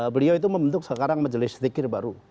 beliau itu membentuk sekarang majelis zikir baru